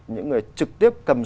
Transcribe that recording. những người trực tiếp cầm nhìn